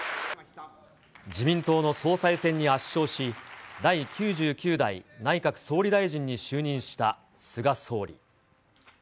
自民党の総裁選に圧勝し、第９９代内閣総理大臣に就任した菅総理。